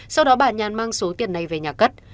sau đó bà nhàn mang số tiền này về nhà cất